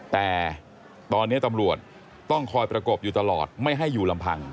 แต่ตอนนี้ตำรวจต้องคอยประกบอยู่ตลอดไม่ให้อยู่ลำพัง